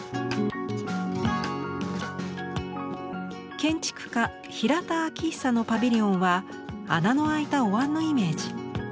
建築家平田晃久のパビリオンは穴のあいたお椀のイメージ。